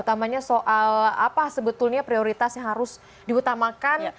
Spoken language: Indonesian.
utamanya soal apa sebetulnya prioritas yang harus diutamakan